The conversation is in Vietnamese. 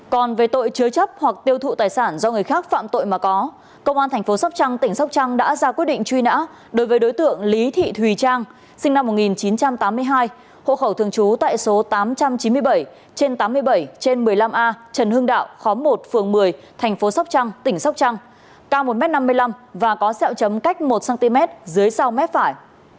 còn về tội chứa chấp hoặc tiêu thụ tài sản do người khác phạm tội mà có công an thành phố sóc trăng tỉnh sóc trăng đã ra quyết định truy nã đối với đối tượng lý thị thùy trang sinh năm một nghìn chín trăm tám mươi hai hộ khẩu thường trú tại số tám trăm chín mươi bảy trên tám mươi bảy trên một mươi năm a trần hương đạo khóm một phường một mươi thành phố sóc trăng tỉnh sóc trăng cao một m năm mươi năm và có xeo chấm cách một cm dưới sau mép phải